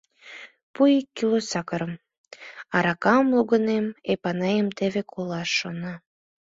Пу ик кило сакырым — аракам лугынем, Эпанаем теве колаш шона.